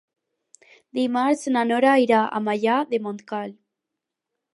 Dimarts na Noa irà a Maià de Montcal.